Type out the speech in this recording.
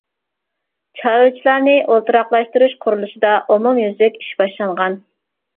چارۋىچىلارنى ئولتۇراقلاشتۇرۇش قۇرۇلۇشىدا ئومۇميۈزلۈك ئىش باشلانغان.